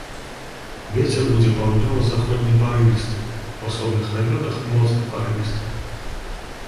Вецер будзе паўднёва-заходні парывісты, у асобных раёнах моцны парывісты.